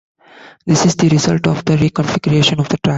This is the result of the reconfiguration of the track.